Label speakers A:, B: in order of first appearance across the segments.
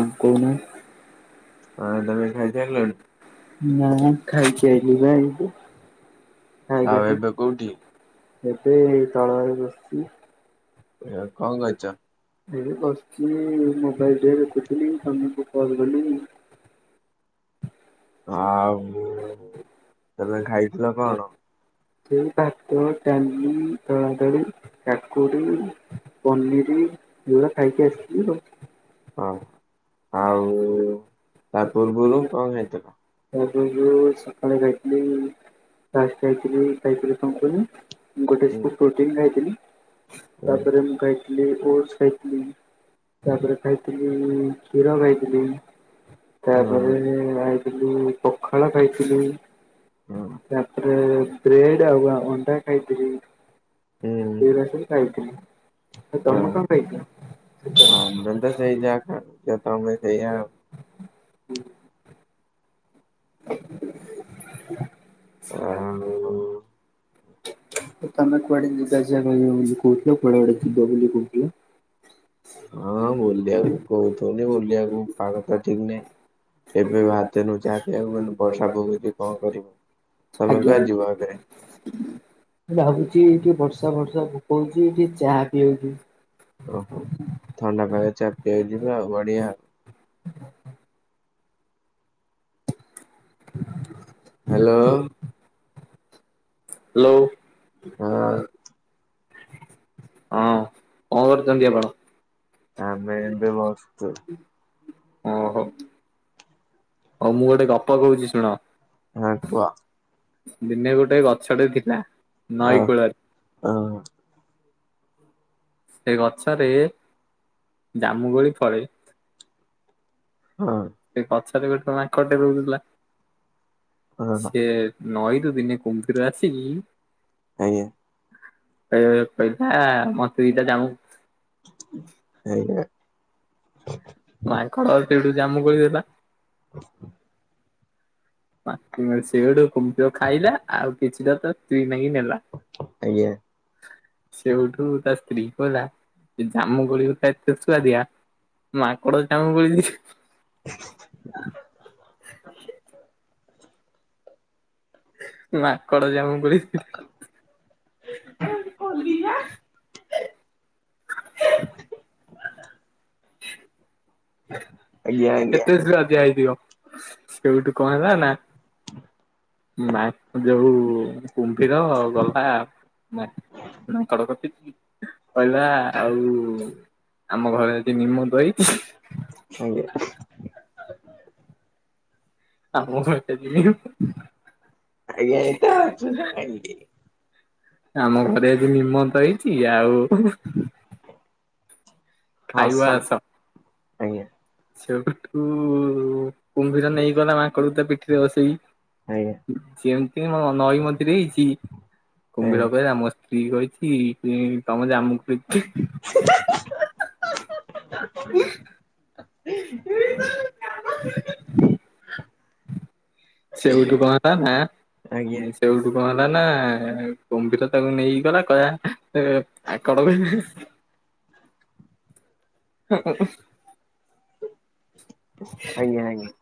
A: ଆପଣ?
B: ହଁ ତମେ ଖାଇସାରିଲଣି
A: ନା ଖାଇକି ଆଇିଲି ବା ଏଇ [unintelligible]
B: ଆଉ
A: ଏବେ
B: କୋଉଠି
A: ଏଇ ତାଳରେ ବସଛି।
B: ଏହା କଣ ଖାଇଚ?
A: ଏ ବସିଛି, ମୋବାଇଲରେ ଦେଖୁଥିଲି ତମକୁ କଲ କଲି।
B: ଆଉ ତେମେ ଖାଇଥିଲ କଣ?
A: ଏଇ ଭାତ, ଡାଲି, ଦଳାଦଳି, କାକୁଡି, ପନିରି ଏଗୁରା ଖାଇକି ଆଇଥିଲି ଆଉ।
B: ହଁ ଆଉ ତା
A: ତାପରେ [unintelligible]
B: ପୂର୍ବରୁ କଣ ଖାଇଥିଲ?
A: ଏ ଯୋଉ ସକାଳେ ଯାଇଥିଲି ଲାଷ୍ଟ ଯାଇଥିଲି ଖାଇକିରି କଣ କହିଲେ ମୁଁ ଗୋଟେ
B: ହୁଁ
A: ସ୍କୁ ପ୍ରୋଟିନ୍ ଖାଇଥିଲି,
B: ହୁଁ
A: ତାପରେ ମୁଁ ଖାଇଥିଲି ଥିଲି ଓଟ୍ସ ଖାଇଥଲି, ତାପରେ ଖାଇଥିଲି କ୍ଷୀର ଖାଇଥିଲି, ତା ଏ ଆଇଥିଲି ପଖାଳ ଖାଇଥିଲି
B: ହୁଁ
A: ତାପରେ ବ୍ରେଡ଼ ଆଉ ଅଣ୍ଡା ଖାଇଥିଲି
B: ହୁଁ
A: ସେଇରା କରି ଖାଇଥିଲି। ଆ ତମେ କଣ ଖାଇଥିଲ?
B: ହଁ ମୁଁ ତ ସେଇ ଯାହା ଖାଇଥିଲି ତମେ ସେୟା ଆଉ।
A: ହୁଁ।
B: ଆଉ
A: ତମେ କୁଆଡେ ଯିବା ଆସିବା କରିବ ବୋଲି କହୁଥିଲ, କୁଆଡେ ଗୋଟେ ଯିବ ବୋଲି କହୁଥିଲ?
B: ହଁ ବୁଲିବାକୁ କହୁଥିଲି, ବୁଲିବାକୁ ପାଗ ଟା ଠିକ ନାହିଁ। ଏବେ ବାହାରିଥିନୁ ଚାହା ପିଇଆକୁ, କହିନୁ ବର୍ଷା ପକଉଚି କଣ କରିବୁ? ତମେ
A: ଆଜ୍ଞା।
B: କୁଆଡେ ଯିବ ଏବେ
A: ଭାବୁଛିି ଟିକେ ବର୍ଷା ଫର୍ଷା ପକଉଚି ଟିକେ ଚା
B: ଓହୋ। ଥଣ୍ଡା ପାଗରେ ଚା ପିଇବାକୁ ଯିବେ ଆଉ, ବଢିଆ ଆଉ।
A: ହ୍ୟାଲୋ। ହ୍ୟାଲୋ।
B: ହଁ
A: ହଁ। କଣ କରୁଚନ୍ତି ଆପଣ?
B: ଆମେ ଏବେ ବସଛୁ
A: ଓହୋ। ହଉ ମୁଁ ଗୋଟେ ଗପ କହୁଛି ଶୁଣ।
B: ହଁ କୁହ
A: ଦିନେ ଗୋଟେ ଗଛଟେ ଥିଲା,
B: ଆଉ
A: ନଈ କୂଳରେ।
B: ହଁ
A: ସେ ଗଛରେ ଜାମୁକୋଳି ଫଳେଇ।
B: ହଁ
A: ସେ ଗଛରେ ଗୋଟେ ମାଙ୍କଡ଼ଟେ ରହୁଥିଲା।
B: ହଁ
A: ସିଏ ନଈରୁୁ ଦିନେ କୁମ୍ଭୀର ଆସିକି
B: ଆଜ୍ଞା
A: କହ କହିଲା ମତେ ଦିଟା ଜାମୁ
B: ସେଇଆ
A: ମାଙ୍କଡ ସେଇଠୁ ଜାମୁ କୋଳି ଦେଲା। ସେଉଠୁ କୁମ୍ଭୀର ଖାଇଲା, ଆଉ କିଛିଟା ତା ସ୍ତ୍ରୀ ନାଗି ନେଲା। ସେଉଠୁ ତା ସ୍ତ୍ରୀ କହିଲା ସେ ଜାମୁ କୋଳିଗୁରା ଏତେ ସୁୁଆଦିଆ ମାଙ୍କଡ ଯଦି ତାଙ୍କୁ କହିଚି ମାଙ୍କଡ ଜାମୁ କୋଳି ଓ ଦିଟା ହଲ
B: ଆଜ୍ଞା ଆଜ୍ଞା
A: ଏତେ
B: ଆଜ୍ଞା
A: ସୁଆଦିଆ ହେଇଥିବ ସେଉଠୁ କଣ ହେଲା ନା ନାଇ ଯୋଉ କୁମ୍ଭୀର ଗଲା ନାଁ ନା କଡକତି କହିଲା ଆଉ ଆମ ଘରେ ଯଦି ନିମନ୍ତ ହେଇଚି।
B: ଆଜ୍ଞା
A: ଆ ମୁ [unintelligible]
B: ଆଜ୍ଞା ଏ ତ [unintelligible] ଅୁଛ ଭଡି
A: ଆମ ଘରେ ଆଜି ନିମନ୍ତ ହେଇଛି ଆଉ
B: ହସ
A: ଖାଇବ ଆସ।
B: ଆଜ୍ଞା।
A: ସେଇଠୁ କୁମ୍ଭୀର ନେଇଗଲା ମାଙ୍କଡକୁ ତା ପିଠିରେ
B: ଆଜ୍ଞା
A: ବସେଇକି। ଯେମିତି ମ ନଇମଝିରେ ହେଇଛି
B: ଆଜ୍ଞା
A: କୁମ୍ଭୀର କହିଲା ମୋ ସ୍ତ୍ରୀ କହିଛି କି ଇ ତମ ଜାମୁ କୋଳି
B: [inaudible]
A: ସେବୁଠୁ କଣ ହେଲା ନା।
B: ଆଜ୍ଞା ଆଜ୍ଞା
A: ସେଉଠୁ କଣ ହେଲା ନା କୁମ୍ଭୀର ତାକୁ ନେଇକି ଗଲା କହିଲା ମାକଡ ହ [unintelligible] ହ [unintelligible]
B: ଆଜ୍ଞା ଆଜ୍ଞା।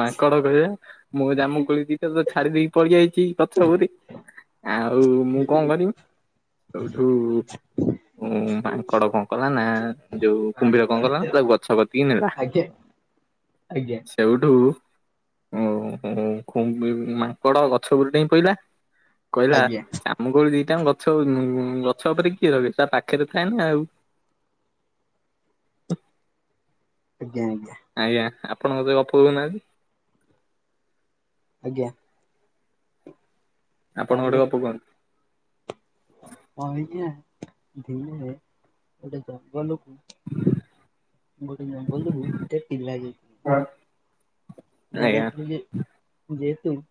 A: ମାଙ୍କଡ କହିଲା ମୁଁ ଜାମୁ କୋଳି ଦିଟା ତ ଛାଡି ଦେଇକି ପଳେଇ ଆଇଚି ଗଛ ଉପରେ। ଆଉ ମୁଁ କଣ କରିବି। ସେଇଠୁ ଉ ମାଙ୍କଡ କଣ କଲା ନା ଯୋଉ କୁମ୍ଭୀର କଣ କଲା ତାକୁ ଗଛ କତିକି ନେଲା।
B: ଆଜ୍ଞା।
A: ଆଉ କୁମ୍ଭୀ ମାଙ୍କଡ ଗଛ ଉପରକୁ ଡେଇଁ ପଇଲା। କହିଲା ଜାମୁ କୋଳି ଦିଟା ଜାଙ୍କ ତ ଗଛ ଉପରେ କିଏ ରହିବେ ତା ପାଖରେ ଥାଏ ନା ଆଉ। [inaudible]
B: ଆଜ୍ଞା ଆଞା।
A: ଆଜ୍ଞା ଆପଣ ମୋତେ ଗପ କହୁନାଁହାନ୍ତି।
B: ଆଜ୍ଞା।
A: ଆପଣ ଗୋଟେ ଗପ କୁହନ୍ତୁ।
B: ହଁ ଆଜ୍ଞା ଧୀରେ ଗୋଟେ ଜଙ୍ଗଲ କୁ ଗୋଟେ ଜଙ୍ଗଲ କୁ ପିଲାଇ ହଁ
A: ଆଜ୍ଞା
B: ଦରତ ଯେହେତୁ [unintelligible]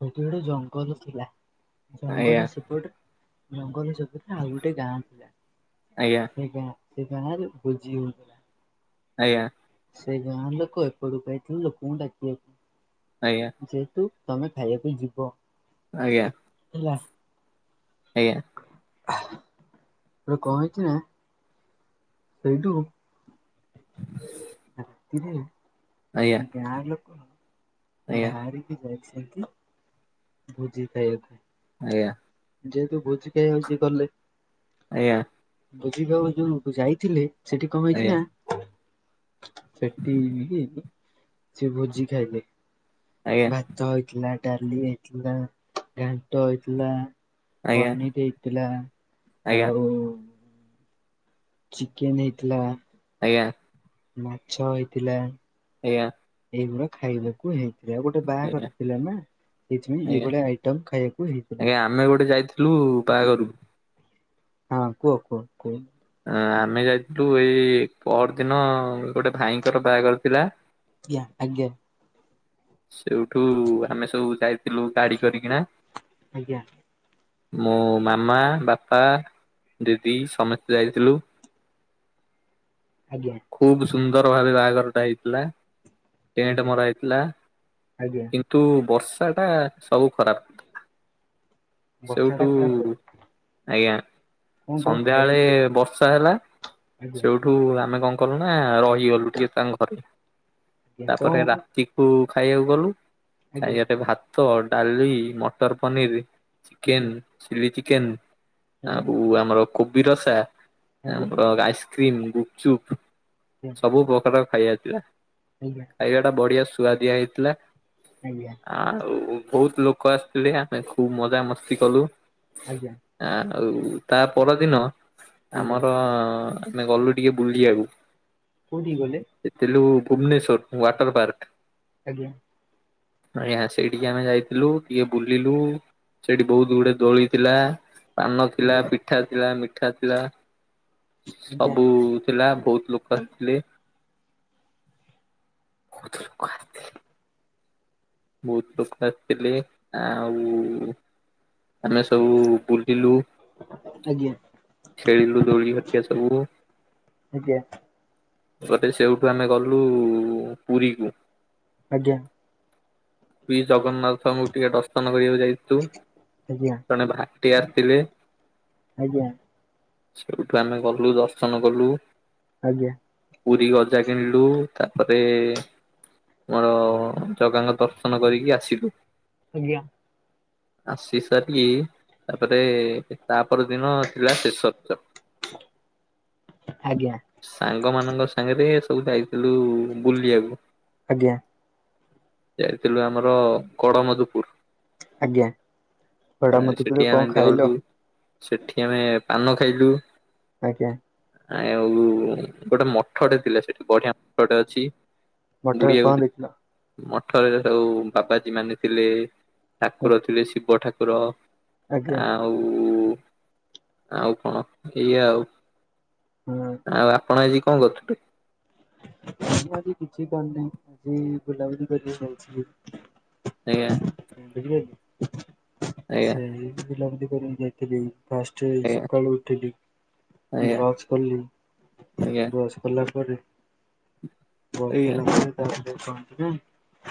B: ସେଠି ଗୋଟେ ଜଙ୍ଗଲ ଥିଲା
A: ଆଜ୍ଞା
B: ଜଙ୍ଗଲ ସେପଟେ ଜଙ୍ଗଲ ସେପ ଆଉ ଗୋଟେ ଗାଁ।
A: ଆଜ୍ଞା
B: ସେ ଗାଁ ସେ ଗାଁରେ ଭୋଜି ହଉଥିଲା
A: ଆଜ୍ଞା
B: ସେ ଗାଁଲୋକ ଏପଟକୁ ଆଇଥିଲେ ଲୋକଙ୍କୁ
A: ଆଜ୍ଞା
B: ଡାକିବାକୁ ଯେହେତୁ ତମେ ଖାଇବାପାଇଁ ଯିବ।
A: ଆଜ୍ଞା।
B: ହେଲା।
A: ଆଜ୍ଞା।
B: ଆ ହା ହେଠୁ କଣ ହେଇଛି ନା। ସେଇଠୁ।
A: ହଁ [unintelligible]
B: ରାତିରେ ଏ ଗାଁ ଲୋକ
A: ଆଜ୍ଞା
B: ଗାଁରେ କି ଅଛନ୍ତି ଭୋଜି ଖାଇବାକୁ
A: ଆଜ୍ଞା [inaudible]
B: ଯେହେତୁ ଭୋଜି ଖାଇବାକୁ ସେ ଗଲେ ଭୋଜି ଖାଇବାକୁ ଯୋଉ ଯାଇଥିଲେ ସେଠି କଣ ହେଇଛି ନା ସେଠି ବି ସେ ଭୋଜି ଖାଇଲେ ଭାତ ହେଇଥିଲା ଡାଲି ହେଇଥିଲା ଘାଣ୍ଟ ହେଇଥିଲା ପନିରି ହେଇଥିଲା ଆଉ ଚିକେନ ହେଇଥିଲା
A: ଏଆଁ
B: ମାଛ ହେଇଥିଲା ଏଇଗୁଡା ଖାଇବାକୁ ହେଇଛି ଆଉ ଗୋଟେ
A: ଆଜ୍ଞା
B: ବାହାଘର ଥିଲା ନା ସେଇଥିପାଇଁ
A: ଆଜ୍ଞା
B: ଏଇଭଳିଆ ଆଇଟମ ଖାଇବାକୁ ହେଇଥିଲା
A: ବାହା କରରୁ
B: ହଁ କୁହ କୁହ
A: ଆମେ ଯାଇଥିଲୁ ଏଇ ପର ଦିନ ଗୋଟେ ଭାଇଙ୍କର ବାହାଘର ଥିଲା
B: ଆୟଞା ଆଜ୍ଞା
A: ସେଉଠୁ ଆମେ ସବୁ ଯାଇଥିଲୁ ଗାଡି କରିକିନା
B: ଆଜ୍ଞା
A: ମୋ ମାମା ବାପା ଦିଦି ସମସ୍ତେ ଯାଇଥିଲୁ ହ
B: ଆଜ୍ଞା ଆଜ୍ଞା
A: ଖୁବ ସୁନ୍ଦର ଭାବେ ବାହାଘର ଟା ହେଇଥିଲା ଟେଣ୍ଟ
B: ଆଜ୍ଞା
A: ମର ହେଇଥିଲା
B: ଆଜ୍ଞା
A: କିନ୍ତୁ ବର୍ଷା ଟା ସବୁ ଖରାପ
B: ବର୍ଷା
A: ସେଇଠୁ
B: ଟା ଖରାପ କଲେ
A: ଆଜ୍ଞା
B: କଣ କଣ ଖାଇବା
A: ସନ୍ଧ୍ୟାବେଳେ ବର୍ଷା ହେଲା
B: ଆଜ୍ଞା
A: ସେଉଠୁ ଆମେ କଣ କଲୁ ନା ରହିଗଲୁ ଟିକେ ସାଙ୍ଗ ଘରେ
B: ଆଜ୍ଞା କଣ
A: ତାପରେ ରାତିକୁ ଖାଇବାକୁ ଗଲୁ
B: ଆଜ୍ଞା ଆଜ୍ଞା ଆଜ୍ଞା ଆଜ୍ଞା
A: ଖାଇଟେ ଭାତ ଡାଲି ମଟର ପନିର ଚିକେନ୍ ଚିଲ୍ଲି ଚିକେନ୍ ଆବ ଆମର କୋବି ରସା
B: ଆଜ୍ଞା
A: ଆମର ଆଇସ୍କ୍ରିମ ଗୁପଚୁପ ସବୁ ପ୍ରକାର ଖାଇଆଥିଲା ଖାଇବା ଟା ବଢିଆ ସୁଆଦିଆ ହେଇଥିଲା
B: ଆଜ୍ଞା
A: ଆଉ ବହୁତ ଲୋକ ଆସିଥିଲେ ଆମେ ଖୁବ ମଜା ମସ୍ତି କଲୁ
B: ଆଜ୍ଞା
A: ଆଉ ତା ପରଦିନ
B: ଆଜ୍ଞା
A: ଆମର ଆମେ ଗଲୁ ଟିକେ ବୁଲିବାକୁ
B: କୋଉଠିକି ଗଲେ
A: ପେଲୁ ଭୁବନେଶ୍ଵର ଟର ପାର୍କ
B: ଆଜ୍ଞା
A: ଆଜ୍ଞା ସେଠିକି ଆମେ ଯାଇଥିଲୁ ଟିକେ ବୁଲିଲୁ ସେଠି ବହୁତ ଦୁଡ ଦୋଳି ଥିଲା ପାନ ଥିଲା
B: ଆଜ୍ଞା ଆଜ୍ଞା
A: ପିଠା ଥିଲା ମିଠା ଥିଲା
B: ଆଜ୍ଞା
A: ସବୁ ଥିଲା ବହୁତ ଲୋକ ଆସିଥିଲେ ତ କ ବହୁତ ଲୋକ ଆସିଥିଲେ ଆଉ ଆମେ ସବୁ ବୁଲିଲୁ
B: ଆଜ୍ଞା ଆଜ୍ଞା
A: ଛେଳିରୁ ଦୌଡି ହତ୍ୟା ସବୁ ଗଟେ ସେଇଠୁ ଆମେ ଗଲୁ ପୁରୀ କ
B: ଆଜ୍ଞା
A: ବି ଜଗନ୍ନାଥଙ୍କୁ ଟିକେ ଦର୍ଶନ କରିବାକୁ ଯାଇଛୁ
B: ଆଜ୍ଞା ଆଜ୍ଞା
A: ଜଣେ ଭାଇଟି ଆସିଥିଲେି
B: ଆଜ୍ଞା
A: ସେଇଠୁ ଆମେ ଗଲୁ ଦର୍ଶନ କଲୁ
B: ଆଜ୍ଞା
A: ପୁରୀ ଗଜା କିଣିଲୁ ତାପରେ ରେ ଆମର ଜଗାଙ୍କ ଦର୍ଶନ କରିକି ଆସିବୁ
B: ଆଜ୍ଞା।
A: ଅଶୀ ସାର କି? ତାପରେ ତାପ ଦିନ ଥିଲା ଶେଷତ
B: ଆଜ୍ଞା
A: ସାଙ୍ଗ ମାନଙ୍କ ସାଙ୍ଗରେ ସବୁ ଯାଇ ଥିଲୁ ବୁଲିିବାକୁ
B: ଆଜ୍ଞା
A: ଯାଇଥିଲୁ ଆମର
B: ଆଜ୍ଞା। ବଡ
A: କଡମଧୁପୁର।
B: ମଧୁପୁରରେ
A: ସେଠି
B: କଣ
A: ଆମେ
B: ଖାଇଲ?
A: ଗଲୁ ସେଠି ଆମେ ପାନ ଖାଇଲୁ
B: ଆଜ୍ଞା।
A: ଆ ଆଉ ଗୋଟେ ମଠଟେ ଥିଲା ସେଠି ବଢିଆ ମଠଟେ ଅଛି
B: ମଠରେ କଣ
A: ବୁଢୀଆକୁ
B: ଦେଖିଲ?
A: ମଠରେ ସବୁ ବାବାଜୀ ମାନେ ଥିଲେ ଠାକୁର ଥିଲେ ଶିବ ଠାକୁର
B: ଆଜ୍ଞା
A: ଆଉ ଆଉ କଣ ଏଇଆ ଆଉ।
B: ହଁ
A: ଆଉ ଆପଣ ଆଜି କଣ କରୁଥିଲେ?
B: ଜି କିଛିି କରିନେଇ, କିଜି ଗୁଲାବ ଗଛି
A: ଆଜ୍ଞା। ଆଜ୍ଞା
B: ସେଇିଲ କରି ଯାଇଥିଲି ଫାଷ୍ଟ
A: ଆଜ୍ଞା
B: ସକାଳୁ ଉଠିଲି
A: ଆଜ୍ଞା
B: ବ୍ରସ୍ କଲି,
A: ଆଜ୍ଞା
B: ବ୍ରସ୍ କଲା ପରେ
A: ଆଜ୍ଞା
B: [unintelligible] ପହଞ୍ଚିବେ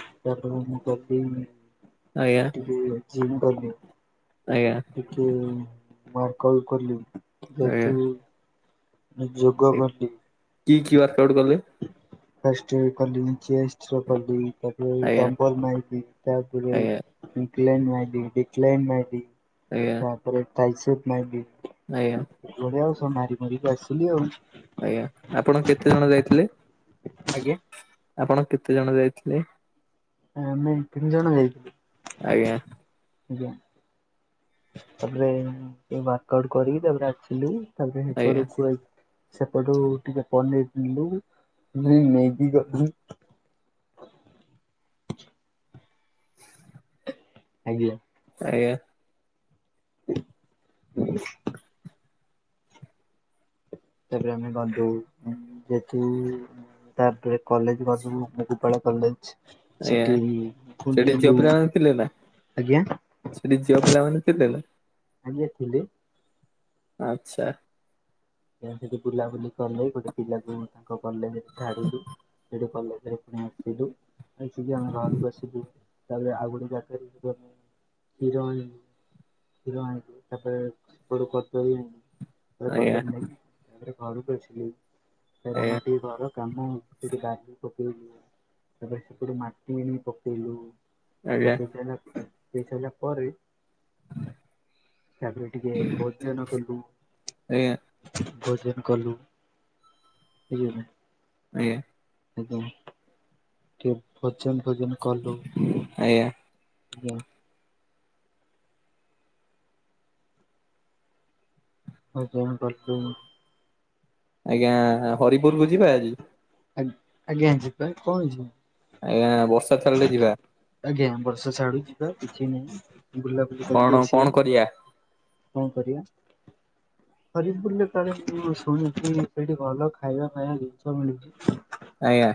B: ତାପରେ ମୁଁ କହି
A: ଆଜ୍ଞା।
B: ଜିମ୍ ଗଲି
A: ଆଜ୍ଞା ଆଜ୍ଞା
B: ଟିକେ ମାର୍କଉ କଲି ଯେହେତୁ ନି ଯୋଗଜାଳି।
A: କି କି ୱାର୍କ ଆଉଟ କଲେ
B: ଫେଷ୍ଟଟି କଲି, ଚେଷ୍ଟ୍ର କଲି। ତାପ
A: ଆଜ୍ଞା
B: ଡମ୍ପଲ ମାଇ ତାପ
A: ଆଜ୍ଞା
B: କ୍ନ ମା ଡିିକାଇନ ମା
A: ଆଜ୍ଞା
B: ତା ପରେରେ ଟାଇସଟ ମାଇଁ ବି
A: ଆଜ୍ଞା।
B: ଆଉ ସବୁ ମାରି ମାରିକି ଆସିଲି ଆଉ।
A: ଆଜ୍ଞା ଆପଣ କେତେ ଜଣ ଯାଇଥିଲେ?
B: ଆଜ୍ଞା।
A: ଆପଣ କେତେ ଜଣ ଯାଇଥିଲେ?
B: ଆମଁ ତିନି ଜଣ ଯାଇଥିଲୁ।
A: ଆଜ୍ଞା।
B: ଆଜ୍ଞା ତାପରେ ୱର୍କଆଉଟ କରି ତାପରେ ଆସିଲୁ ତାପରେ
A: ଆଜ୍ଞା
B: ସେପଟୁ କୁଆ ସେପଟୁ ଟିକେ ପନିର ପିଣିଲୁ [unintelligible] [inaudible] ଆଜ୍ଞା।
A: ଆଜ୍ଞା!
B: [unintelligible] ତାପରେ ଆମେ ବାନ୍ଧୁ ଯେଠୁତାପରେ କଲେଜ ଗଲୁବକେନ୍ଦୁ ପାଳ କଲେଜ
A: ଆଜ୍ଞା
B: ସେଠି
A: ସେଠି
B: ବୁଲିଲୁ
A: ଝିଅପିଲାମାନ ଥିଲେ ନା?
B: ଆଜ୍ଞା
A: ସେଠିଯିବା ଝିଅପିଲା ମାନେ ଥିଲେ ନା?
B: ଆଜ୍ଞା ଥିଲେ।
A: ଆଚ୍ଛା।
B: ତିଠି ବୁଲାବୁଲି କଲେ ଗୋଟେ ପିଲାକୁ ତାଙ୍କ କଲେଜେରେ ଛାଡ଼ିଲୁ ସେଟୁ କଲଜରେ ପୁଣି ଆସିଲୁ ଆସିକି ଆମେ ଘରକୁ ଆସିଲୁ ତାପରେ ଆଗ ଗଟେ ଜାଗାରେ ଯୁ ଆମ ହିରଣ ହିରଣ ତାପରେ [unintelligible] ତାପରେ
A: ଆଜ୍ଞା।
B: କଦଳୀ ନେଇକି ଘରକୁ ଆସିଲି, ସେର
A: ଆଜ୍ଞା
B: ମାଟି ଘର କାମ ହୋଉଛି ସେଠି ବାହାରେ। ପୁ ସ ସେପଟୁ ମାଟି ଆଣିକି ପକେଇଲୁ
A: ଆଜ୍ଞା
B: ପକେଇସାରିଲା। ଦେଇ ସାଇଲା ପରେ ତାପରେ ଟିକେ ଭୋଜନ କଲୁ।
A: ଆଜ୍ଞା
B: ଭୋଜନ କଲୁ ହୁଁ।
A: ଆଜ୍ଞା।
B: ସେ ଟିକେ ଭୋଜନ ଭୋଜନ କଲୁ।
A: ଆଜ୍ଞା।
B: ଆଜ୍ଞା। ଆଜି ଆମେ କରିପାରିବୁନୁ।
A: ଆଜ୍ଞା ହରିପୁରକୁ ଯିବା ଆଜି।
B: ଆ ଆଜ୍ଞା ଯିବା କଣ ଅଛି।
A: ଆଜ୍ଞା ବର୍ଷା ଛାଡିଲେ ଯିବା।
B: ଆଜ୍ଞା ବର୍ଷା ଛାଡୁ ଯିବା କିଛି ନହିଁ ବୁଲାବୁଲି
A: କଣ
B: କରିକି ଆସିବା।
A: କଣ କରିବା?
B: କଣ କରିବା। ହରିପୁରରେ କ ମୁ ଶୁଣିଛି ସେଠି ଭଲ ଖାଇବା ଫାଇବା ଜିନିଷ ମିଳୁଛି।
A: ଆଜ୍ଞା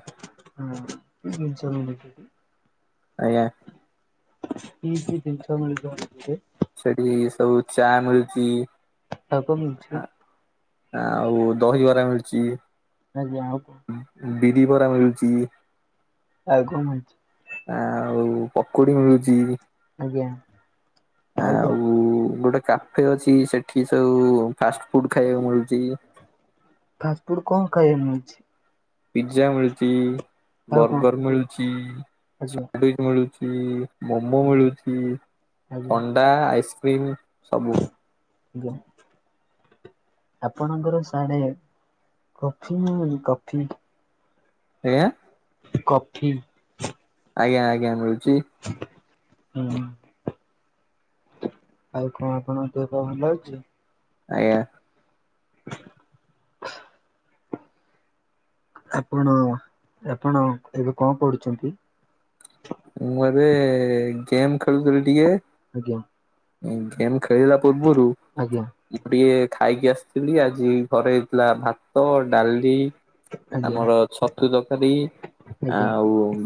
B: ହଁ ଚାଲ।
A: ଆଜ୍ଞା।
B: କି କି ଜିନଷ ମିଳୁଛି ତମ ସେଠି?
A: ସେଠି ସବୁ ଚା ମିଳୁଛି।
B: ଶାଗ ମିଳୁଛି
A: ଆଉ ଦହିବରା ମିଳୁଛି।
B: ଆଜ୍ଞା ଆଉ କଣ
A: ବିରି ବରା ମିଳୁଛି।
B: ଆଉ କଣ ହେଇଛି?
A: ଆଉ ପକୋଡି ମିଳୁଛି।
B: ଆଜ୍ଞା।
A: ଆଉ ଗୋଟେ କାଫେ ଅଛି ସେଠି ସବୁ ଫାଷ୍ଟ ଫୁଡ ଖାଇବାକୁ ମିଳୁଛି।
B: ପୁଡ଼ କଣ ଖାଇବାକୁ ମିଳୁଛି।
A: ପିଜା ମିଳୁଛି
B: ଆଉ କଣ
A: ବର୍ଗର ମିଳୁଛି
B: ଆଜ୍ଞା
A: ସାଣ୍ଡିଚ ମିଳୁଛି। ମୋମୋ
B: ଆଜ୍ଞା
A: ମିଳୁଛି
B: ଆଜ୍ଞା
A: ଥଣ୍ଡା ଆଇସ୍କ୍ରିମ୍ ସବୁ।
B: ଯମ୍ ଆପଣଙ୍କର ସାଡେ କଫି ମିଳୁନି କଫି।
A: ଆଜ୍ଞା।
B: କଫି।
A: ଆଜ୍ଞା ଆଜ୍ଞା ମିଳୁଛି।
B: ହୁଁ। ଆଉ କଣ ଆପଣଙ୍କ ଦେହ ଭଲ ଅଛି।
A: ଆଜ୍ଞା।
B: ହ ଆପଣ ଆପଣ ଏବେ କଣ କରୁଛନ୍ତି?
A: ମୁଁ ଏବେ ଗେମ୍ ଖେଳୁଥିଲି ଟିକେ।
B: ଆଜ୍ଞା
A: ଗେମ୍ ଖାଳିଲା ପୂର୍ବରୁ
B: ଆଜ୍ଞା
A: ମୁଁ ଟିକେ ଖାଇକି ଆସିଥିଲି ଆଜି ଘରେ ହେଇଥିଲା ଭାତ ଡାଲି।
B: ଆଜ୍ଞା
A: ଆମର ଛତୁ ତରକାରୀ
B: ଆଜ୍ଞା
A: ଆଉ